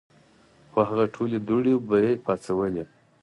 خو هغه ټولې دوړې به ئې پاڅولې ـ